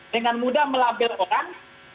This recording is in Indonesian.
dengan mudah melabel orang